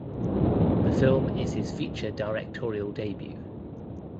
The film is his feature directorial debut.